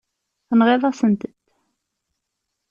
Tenɣiḍ-asen-tent.